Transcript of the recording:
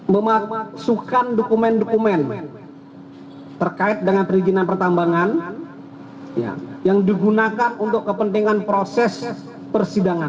memasukkan dokumen dokumen terkait dengan perizinan pertambangan yang digunakan untuk kepentingan proses persidangan